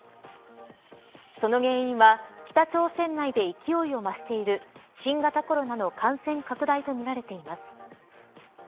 その原因は、北朝鮮内で勢いを増している新型コロナの感染拡大とみられています。